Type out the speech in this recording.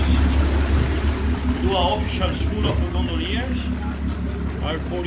kita melakukan sekolah gondolier secara ofisial